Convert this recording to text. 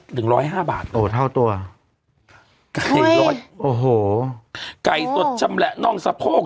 หนึ่งร้อยห้าบาทโอ้เท่าตัวไก่รสโอ้โหไก่สดชำแหละน่องสะโพก